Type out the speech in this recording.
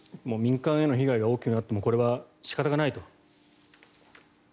もう民間への被害が大きくなってもこれは仕方がないと。